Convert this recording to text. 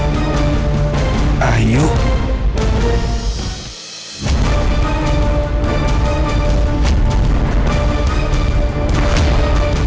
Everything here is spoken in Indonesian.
tunggu sayang tunggu ya nak ya